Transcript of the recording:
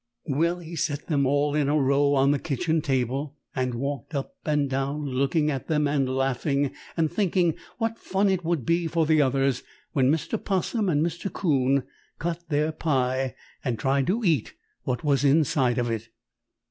Well, he set them all in a row on the kitchen table, and walked up and down looking at them and laughing and thinking what fun it would be for the others when Mr. 'Possum and Mr. 'Coon cut their pie and tried to eat what was inside of it.